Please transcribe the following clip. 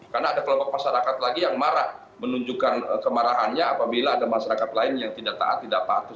karena ada kelompok masyarakat lagi yang marah menunjukkan kemarahannya apabila ada masyarakat lain yang tidak taat tidak patut